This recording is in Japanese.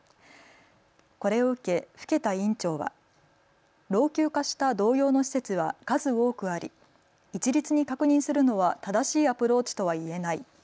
これを受け更田委員長は老朽化した同様の施設は数多くあり一律に確認するのは正しいアプローチとは言えない。